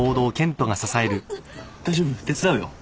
大丈夫？手伝うよ。